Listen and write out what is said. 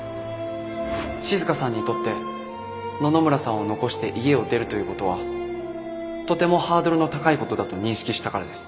静さんにとって野々村さんを残して家を出るということはとてもハードルの高いことだと認識したからです。